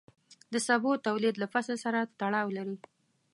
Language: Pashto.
د سبو تولید له فصل سره تړاو لري.